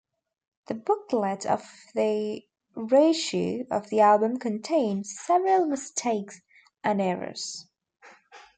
The booklet of the reissue of the album contained several mistakes and errors.